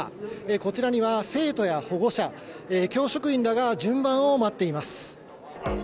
こちらには生徒や保護者、教職員らが順番を待っています。